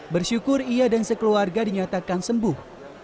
bersyukur ia dan sekeluarga dinyatakan sembuh